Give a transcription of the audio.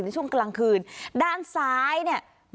ในช่วงกลางคืนด้านซ้ายเนี่ย